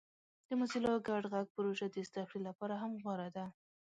د موزیلا ګډ غږ پروژه د زده کړې لپاره هم غوره ده.